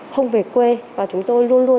không về quê và chúng tôi luôn luôn